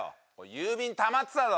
郵便たまってたぞ。